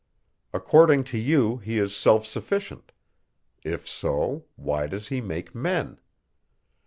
According to you, he is self sufficient; if so, why does he make men?